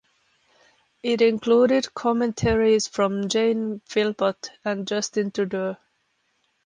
It included commentaries from Jane Philpott and Justin Trudeau.